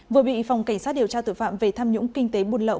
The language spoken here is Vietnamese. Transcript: vừa bị phòng cảnh sát điều tra tội phạm về tham nhũng kinh tế buôn lậu